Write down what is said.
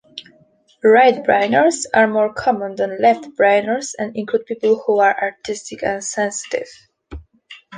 'Right-brainers' are more common than 'left-brainers,' and include people who are artistic and sensitive.